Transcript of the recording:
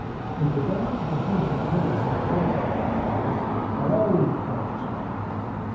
With regard to the fluted pillars in the portico, my dears ' 'Hallo!' cried the gentleman.